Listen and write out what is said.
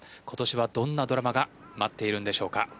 今年はどんなドラマが待っているんでしょうか。